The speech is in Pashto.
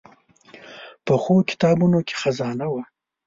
پخو کتابونو کې خزانه وي